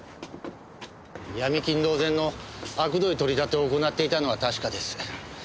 ヤミ金同然のあくどい取り立てを行っていたのは確かです。